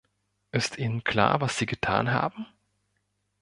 Ist Ihnen klar, was Sie getan haben?